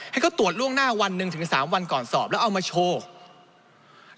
ให้ก็ตรวจล่วงหน้าวันต่วนถึง๓วันก่อนสอบแล้วเอามาโชว์